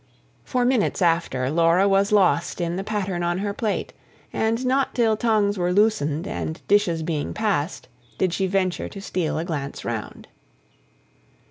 For minutes after, Laura was lost in the pattern on her plate; and not till tongues were loosened and dishes being passed, did she venture to steal a glance round.